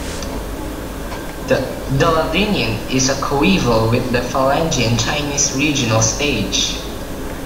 The Ladinian is coeval with the Falangian Chinese regional stage.